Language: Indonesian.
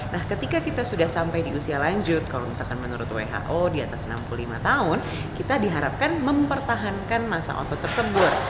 nah ketika kita sudah sampai di usia lanjut kalau misalkan menurut who di atas enam puluh lima tahun kita diharapkan mempertahankan masa otot tersebut